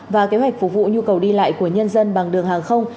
và kế hoạch phục vụ nhu cầu đi lại của nhân dân bằng đường hàng không